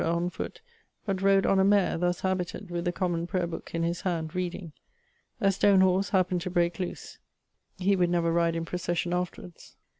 on foot, but rode on a mare, thus habited, with the Common Prayer booke in his hand, reading. A stone horse happend to breake loose ... he would never ride in procession afterwards.